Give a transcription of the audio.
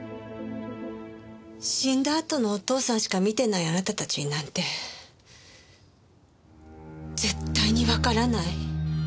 死んだあとのお父さんしか見てないあなたたちになんて絶対にわからない。